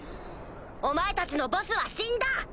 お前たちのボスは死んだ！